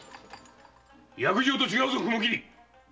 約定と違うぞ雲切！